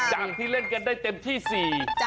จากที่เล่นกันได้เต็มที่๔